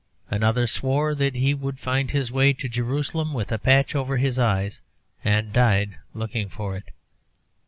Another swore that he would find his way to Jerusalem with a patch over his eyes, and died looking for it.